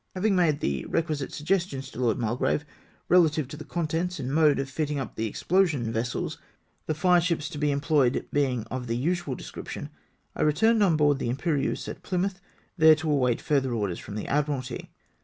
Having made the requisite suggestions to Lord Mul grave relative to the contents and mode of fitting up the explosion vessels, the fire ships to be employed being of the usual description, I returned on board the Impe rieuse at Plymouth, there to await further orders from the Admiralty.